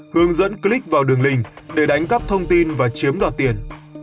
hướng dẫn click vào đường link để đánh cắp thông tin và chiếm đoạt tiền